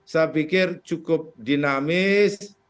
saya pikir cukup dinamis